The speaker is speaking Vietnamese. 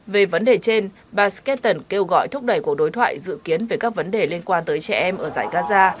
về vấn đề trên bà scanton kêu gọi thúc đẩy cuộc đối thoại dự kiến về các vấn đề liên quan tới trẻ em ở giải gaza